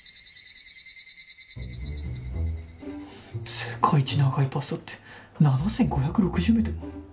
・世界一長いパスタって７，５６０メートルもあんの？